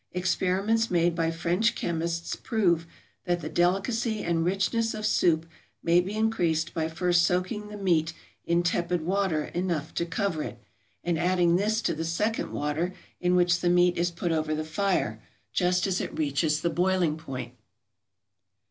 Experiments made by French chemists prove that the delicacy and richness of soup may be increased by first soaking the meat in tepid water enough to cover it, and adding this to the second water in which the meat is put over the fire, just as it reaches the boiling point.